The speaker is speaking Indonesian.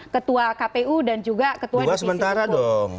ketua kpu dan juga ketua divisi hukum